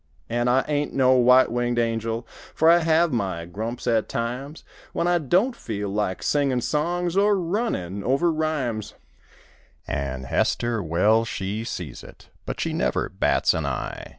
An' I ain't no white winged angel. For I have my grumps at times; When I don't feel like singin' songs Or runnin' over rhymes; II5 An' Hester, well, she sees it But she never bats an eye.